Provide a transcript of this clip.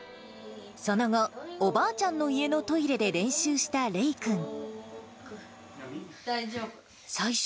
その後、おばあちゃんの家のトイレで練習したれい君。